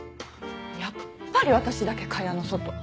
やっぱり私だけ蚊帳の外。